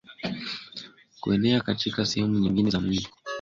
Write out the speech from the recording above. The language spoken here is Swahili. kuenea katika sehemu nyingine za mwili